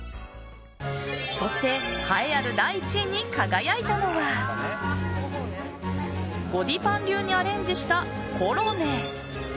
そして栄えある第１位に輝いたのはゴディパン流にアレンジしたコロネ。